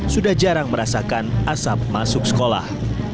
sudah jarang merasakan asap masuk sekolah